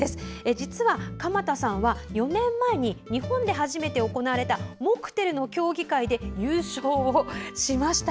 実は、鎌田さんは４年前に、日本で初めて行われたモクテルの競技会で優勝しました。